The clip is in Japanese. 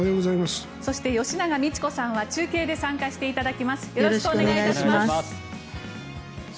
そして、吉永みち子さんは中継で参加していただきます。